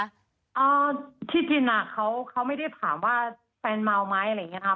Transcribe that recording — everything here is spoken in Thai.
อ่าที่กินอ่ะเขาเขาไม่ได้ถามว่าแฟนเมาไหมอะไรอย่างเงี้ค่ะ